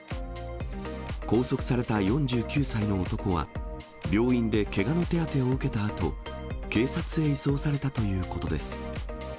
拘束された４９歳の男は、病院でけがの手当てを受けたあと、警察へ移送されたということです。